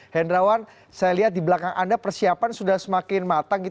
hendrawan saya lihat di belakang anda persiapan sudah semakin matang